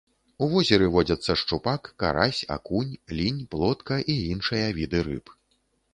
У возеры водзяцца шчупак, карась, акунь, лінь, плотка і іншыя віды рыб.